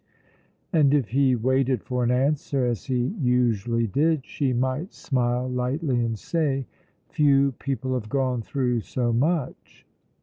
And if he waited for an answer, as he usually did, she might smile lightly and say: "Few people have gone through so much."